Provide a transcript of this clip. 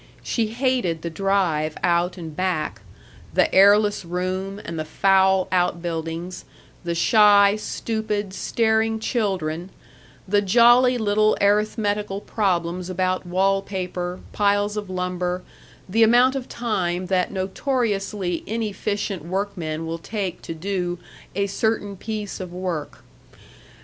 She hated the drive out and back, the airless room and the foul outbuildings, the shy, stupid, staring children, the jolly little arithmetical problems about wall paper, piles of lumber, the amount of time that notoriously inefficient workmen will take to do "a certain piece of work."